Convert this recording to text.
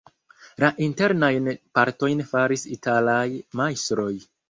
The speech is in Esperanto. La internajn partojn faris italaj majstroj.